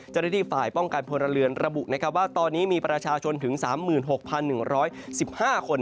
เจ้าหน้าที่ฝ่ายป้องกันพลเรือนระบุว่าตอนนี้มีประชาชนถึง๓๖๑๑๕คน